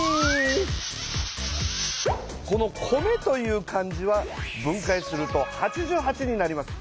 この「米」という漢字は分かいすると「八十八」になります。